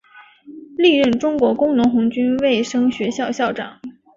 历任中国工农红军卫生学校校长。